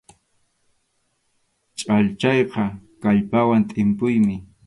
Chhallchayqa kallpawan tʼimpuymi.